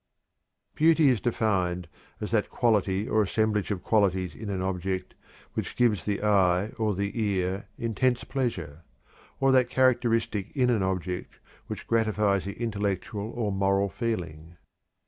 "Beauty" is defined as "that quality or assemblage of qualities in an object which gives the eye or the ear intense pleasure; or that characteristic in an object which gratifies the intellect or moral feeling."